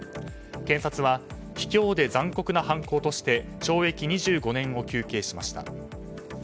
検察は卑怯で残酷な犯行として懲役２５年を求刑しました。